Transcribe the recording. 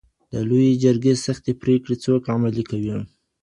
د لویې جرګي سختي پرېکړي څوک عملي کوي؟